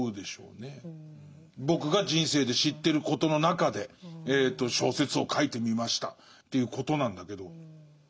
僕が人生で知ってることの中で小説を書いてみましたということなんだけど。